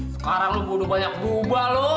sekarang lo bunuh banyak bubah lo